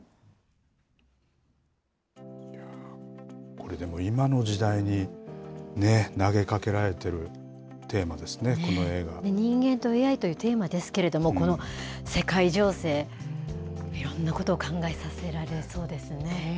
これ、でも今の時代に、ねっ、投げかけられてるテーマですね、人間とＡＩというテーマですけども、この世界情勢、いろんなことを考えさせられそうですね。